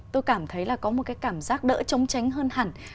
tôi cảm thấy là có một cái cảm giác đỡ chống tránh hơn hẳn